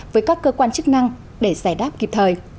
với các cơ quan chức năng để giải đáp kịp thời